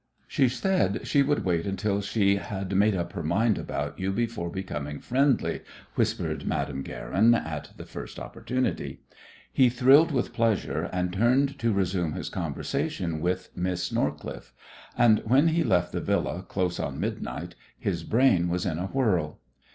"She said she would wait until she had made up her mind about you before becoming friendly," whispered Madame Guerin at the first opportunity. He thrilled with pleasure and turned to resume his conversation with Miss Northcliffe; and when he left the Villa close on midnight his brain was in a whirl.